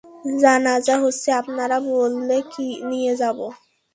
জানাজা হচ্ছে, আপনারা বললে নিয়ে যাবো।